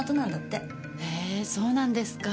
へえそうなんですか。